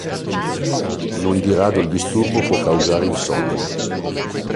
Non di rado il disturbo può causare insonnia.